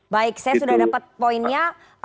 baik saya sudah dapat poinnya